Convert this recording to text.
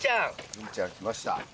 文ちゃん来ました。